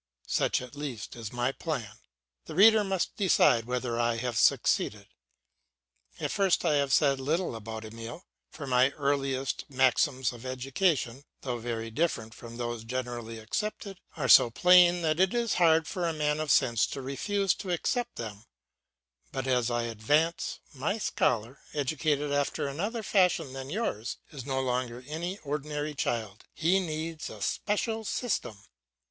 Such at least is my plan; the reader must decide whether I have succeeded. At first I have said little about Emile, for my earliest maxims of education, though very different from those generally accepted, are so plain that it is hard for a man of sense to refuse to accept them, but as I advance, my scholar, educated after another fashion than yours, is no longer an ordinary child, he needs a special system.